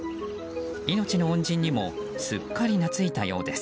命の恩人にもすっかりなついたようです。